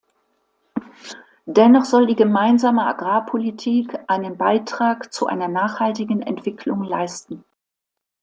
Dennoch soll die gemeinsame Agrarpolitik einen Beitrag zu einer nachhaltigen Entwicklung leisten.